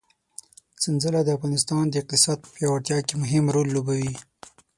سنځله د افغانستان د اقتصاد په پیاوړتیا کې مهم رول لوبوي.